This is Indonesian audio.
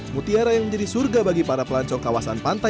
mutiara yang menjadi surga bagi para pelancong kawasan pantai